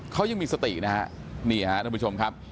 เขายังมีสตินะฮะนี่ฮะท่านผู้ชมครับ